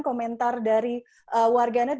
komentar dari warganet